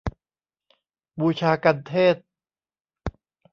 บูชากัณฑ์เทศน์